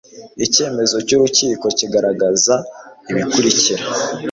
Icyemezo cy urukiko kigaragaza ibikurikira